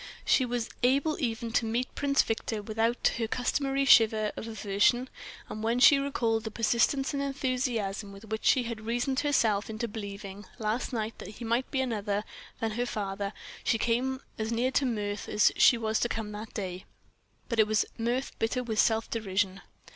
She was able even to meet Prince Victor without her customary shiver of aversion; and when she recalled the persistence and enthusiasm with which she had reasoned herself into believing, last night, that he might be another than her father, she came as near to mirth as she was to come that day; but it was mirth bitter with self derision.